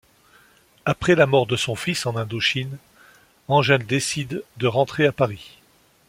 Après la mort de son fils en Indochine, Angèle décide de rentrer à Paris.